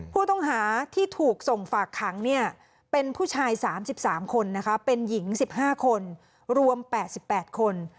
ผู้ต้องหาที่ถูกส่งฝากขังเป็นผู้ชาย๓๓คนนะคะเป็นหญิง๑๕คนรวม๘๘คน